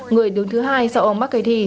người đứng thứ hai sau ông mccarthy